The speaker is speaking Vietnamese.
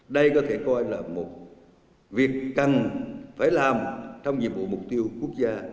đây có thể coi là một việc cần phải làm trong nhiệm vụ mục tiêu quốc gia